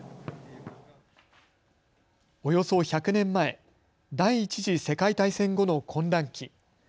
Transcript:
およそ１００年前、第１次世界大戦後の混乱期。